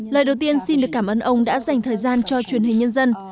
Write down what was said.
lời đầu tiên xin được cảm ơn ông đã dành thời gian cho truyền hình nhân dân